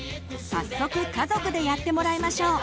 早速家族でやってもらいましょう！